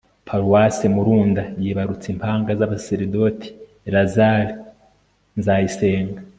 paruwasi murunda yibarutse impanga z'abasaserdoti lazare nzayisenga